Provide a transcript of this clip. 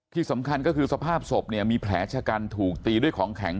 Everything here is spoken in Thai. ที่สำคัญก็คือสภาพศพเนี่ยมีแผลชะกันถูกตีด้วยของแข็ง